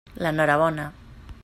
L'enhorabona.